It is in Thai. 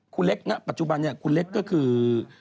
คุณเล็กณปัจจุบันเนี่ยคุณเล็กก็คือ